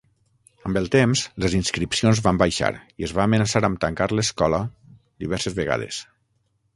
Amb el temps, les inscripcions van baixar i es va amenaçar amb tancar l'escola diverses vegades.